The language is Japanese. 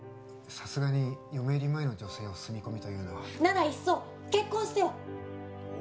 さすがに嫁入り前の女性を住み込みというのはならいっそ結婚しては？